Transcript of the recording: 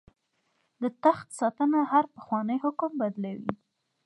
د تخت ساتنه هر پخوانی حکم بدلوي.